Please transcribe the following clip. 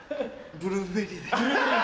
ブルーベリー。